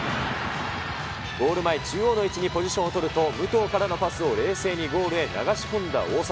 ゴール前、中央の位置にポジションを取ると、武藤からのパスを冷静にゴールへ流し込んだ大迫。